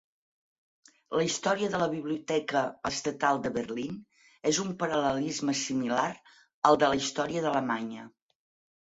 La història de la Biblioteca Estatal de Berlín és un paral·lelisme similar al de la història d'Alemanya.